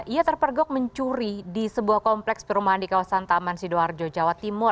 ia terpergok mencuri di sebuah kompleks perumahan di kawasan taman sidoarjo jawa timur